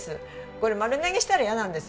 これ丸投げしたら嫌なんですよね。